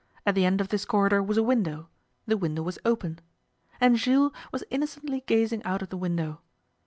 At the end of this corridor was a window; the window was open; and Jules was innocently gazing out of the window.